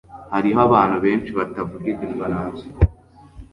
hariho abantu benshi batavuga igifaransa